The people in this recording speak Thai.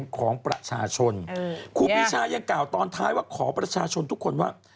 ครูปีชายังกล่าวตอนท้ายขอประชาชนทุกคนว่า